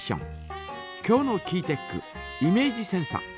今日のキーテックイメージセンサ。